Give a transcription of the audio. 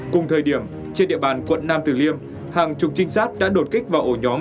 cùng thời điểm trên địa bàn quận nam tử liêm hàng chục trinh sát đã đột kích vào ổ nhóm